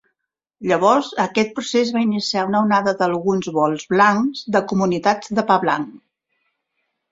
Llavors, aquest procés va iniciar una onada d'alguns "vols blancs" de comunitats de pa blanc.